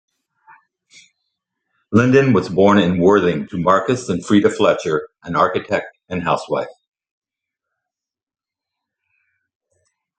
Linden was born in Worthing to Marcus and Freida Fletcher, an architect and housewife.